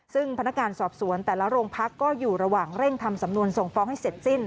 ซึ่งพนักงานสอบสวนแต่ละโรงพักก็อยู่ระหว่างเร่งทำสำนวนส่งฟ้องให้เสร็จสิ้น